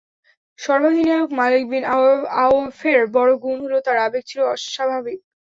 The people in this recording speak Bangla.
সর্বাধিনায়ক মালিক বিন আওফের বড় গুণ হল তার আবেগ ছিল অস্বাভাবিক।